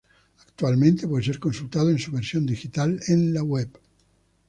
Actualmente puede ser consultado en su versión digital en la web.